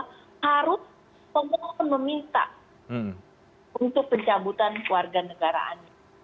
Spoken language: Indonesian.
harus memohon meminta untuk pencabutan keluarga negara anitta